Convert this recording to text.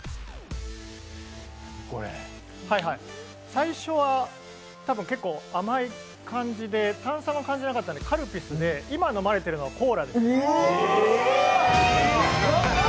最初は多分、結構、甘い感じで炭酸は感じなかったのでカルピスで今飲まれてるのはコーラですか？